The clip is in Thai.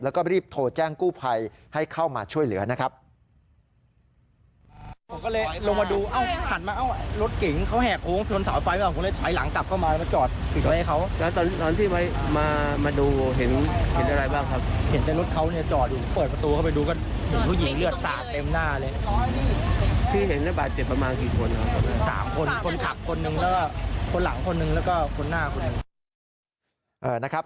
แล้วก็รีบโทรแจ้งกู้ภัยให้เข้ามาช่วยเหลือนะครับ